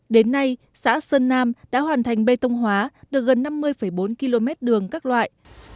đến nay xã sơn nam đã hoàn thành bê tông hóa được gần năm mươi bốn km đường các loại